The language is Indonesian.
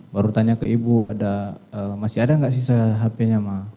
baru tanya ke ibu masih ada nggak sisa hp nya